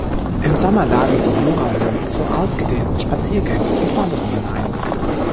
Im Sommer laden die Jurahöhen zu ausgedehnten Spaziergängen und Wanderungen ein.